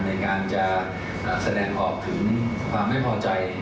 ในการจะแสดงออกถึงความไม่พอใจ